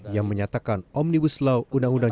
yang menyatakan omnibus law undang undang